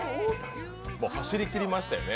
もう走りきりましたよね。